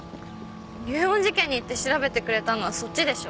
竜恩寺家に行って調べてくれたのはそっちでしょ。